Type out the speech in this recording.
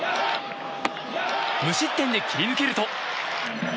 無失点で切り抜けると。